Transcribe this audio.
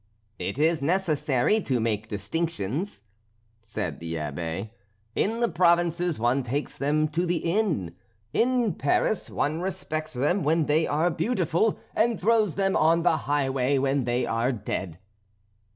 "It is necessary to make distinctions," said the Abbé. "In the provinces one takes them to the inn; in Paris, one respects them when they are beautiful, and throws them on the highway when they are dead."